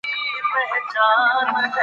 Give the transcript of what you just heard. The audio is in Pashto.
تاسو مه کوئ چې د چا په حق کې ظلم وکړئ.